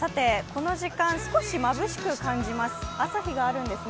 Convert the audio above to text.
この時間、少しまぶしく感じます。